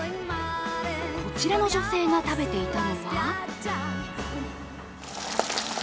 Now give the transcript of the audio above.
こちらの女性が食べていたのは？